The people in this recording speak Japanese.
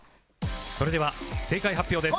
それでは正解発表です